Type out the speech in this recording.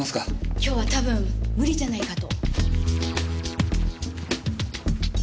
今日はたぶん無理じゃないかと。